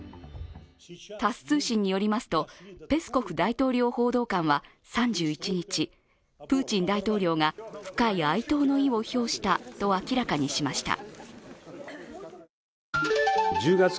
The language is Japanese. タス通信によりますと、ペスコフ大統領報道官は３１日、プーチン大統領が深い哀悼の意を表したと明らかにしました。